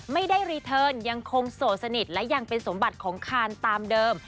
ไม่ได้รีเทิร์นยังคงโสดสนิทและยังเป็นสมบัติของคานตามเดิม